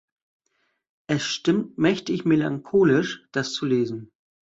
Es stimmt mächtig melancholisch, das zu lesen.